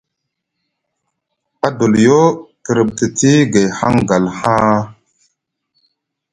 Adoliyo te riɓtiɗi gay hangal haa.